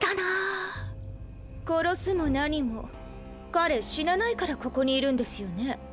殺すも何も彼死なないからここにいるんですよね？